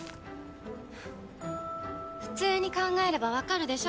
普通に考えればわかるでしょ。